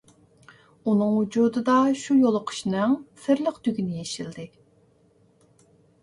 ئۇنىڭ ۋۇجۇدىدا شۇ يولۇقۇشنىڭ سىرلىق تۈگۈنى يېشىلدى.